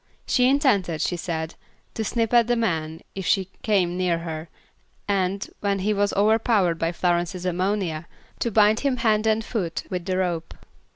She intended, she said, to snip at the man if he came near her, and, when he was overpowered by Florence's ammonia, to bind him hand and foot with the rope.